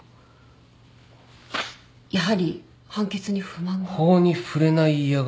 やはり判決に不満が？